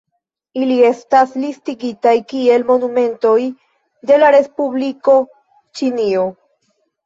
Ili estas listigitaj kiel monumentoj de la respubliko Ĉinio.